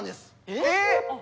えっ！